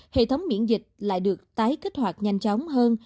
hệ thống miễn dịch lại được tái kích hoạt nhanh chóng hơn